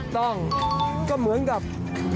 ขั้นตอนที่๒๔คือตัวยึดทั้งหมดเลย